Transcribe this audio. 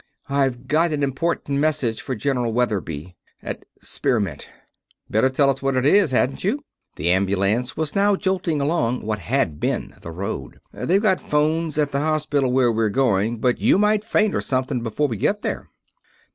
"I've got an important message for General Weatherby, at Spearmint." "Better tell us what it is, hadn't you?" The ambulance was now jolting along what had been the road. "They've got phones at the hospital where we're going, but you might faint or something before we get there."